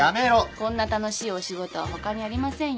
こんな楽しいお仕事は他にありませんよ。